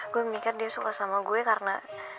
gue mikir dia suka sama gue karena